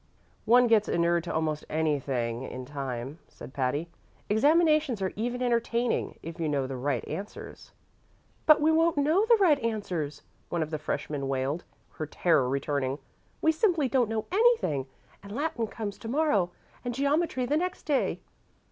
"One gets inured to almost anything in time," said Patty. "Examinations are even entertaining, if you know the right answers." "But we won't know the right answers!" one of the freshmen wailed, her terror returning. "We simply don't know anything, and Latin comes to morrow, and geometry the next day."